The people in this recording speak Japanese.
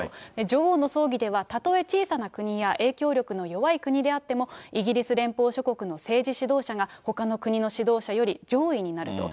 女王の葬儀では、たとえ小さな国や影響力の弱い国であっても、イギリス連邦諸国の政治指導者が、ほかの国の指導者より上位になると。